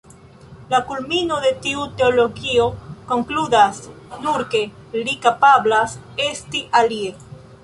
La kulmino de tiu teologio konkludas nur ke “Li kapablas esti alie”.